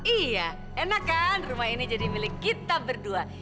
iya enak kan rumah ini jadi milik kita berdua